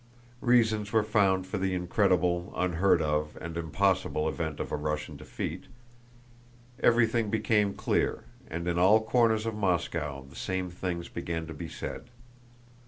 Reasons were found for the incredible, unheard of, and impossible event of a Russian defeat, everything became clear, and in all corners of Moscow the same things began to be said.